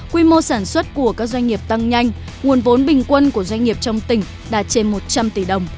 quy mô sản xuất của các doanh nghiệp tăng nhanh nguồn vốn bình quân của doanh nghiệp trong tỉnh đạt trên một trăm linh tỷ đồng